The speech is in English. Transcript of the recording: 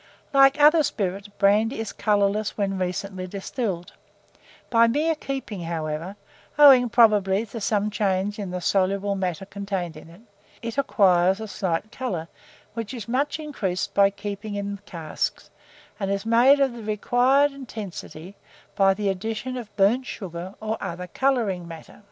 Like other spirit, brandy is colourless when recently distilled; by mere keeping, however, owing, probably, to some change in the soluble matter contained in it, it acquires a slight colour, which is much increased by keeping in casks, and is made of the required intensity by the addition of burnt sugar or other colouring matter.